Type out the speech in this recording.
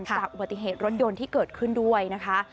จากอุบัติเหตุรถยนต์ที่เกิดขึ้นด้วยนะคะ